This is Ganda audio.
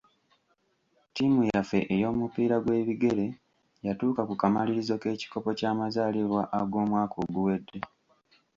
Ttiimu yaffe ey'omupiira gw'ebigere yatuuka ku kamalirizo k'ekikopo ky'amazaalibwa ag'omwaka oguwedde.